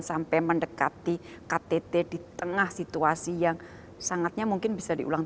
sampai mendekati ktt di tengah situasi yang sangatnya mungkin bisa diulang